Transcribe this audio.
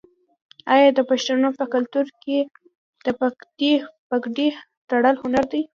آیا د پښتنو په کلتور کې د پټکي تړل هنر نه دی؟